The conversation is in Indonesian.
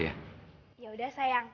yaudah sayang kita mulai acaranya yuk